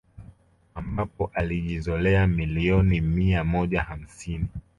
Ambapo alijizolea milioni mia moja hamsini